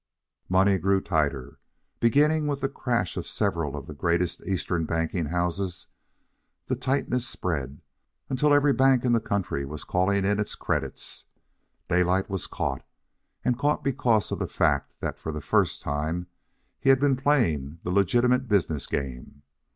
Money grew tighter. Beginning with the crash of several of the greatest Eastern banking houses, the tightness spread, until every bank in the country was calling in its credits. Daylight was caught, and caught because of the fact that for the first time he had been playing the legitimate business game.